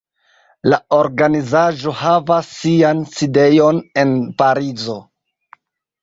La organizaĵo havas sian sidejon en Parizo.